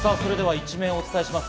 一面、お伝えします。